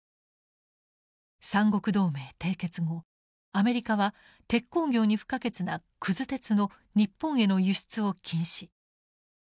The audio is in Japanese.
三国同盟締結後アメリカは鉄鋼業に不可欠なくず鉄の日本への輸出を禁止。